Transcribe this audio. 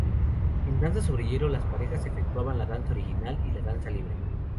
En danza sobre hielo, las parejas efectuaban las danza original y la danza libre.